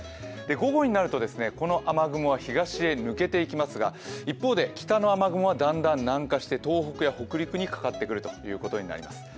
午後になるとこの雨雲は東に抜けていきますが一方で北の雨雲はだんだん南下して東北や北陸にかかってくるということになります。